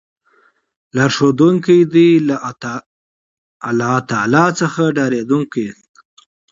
لار ښودونکی دی له الله تعالی څخه ډاريدونکو ته